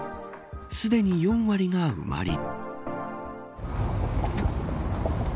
すでに４割が埋まり。